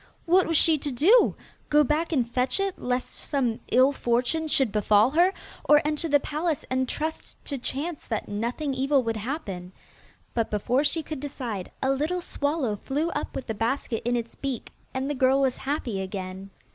What was she to do? Go back and fetch it, lest some ill fortune should befall her, or enter the palace and trust to chance that nothing evil would happen? But before she could decide, a little swallow flew up with the basket in its beak, and the girl was happy again.